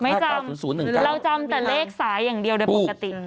เราจำแต่เลขสายอย่างเดียวแดบปกติ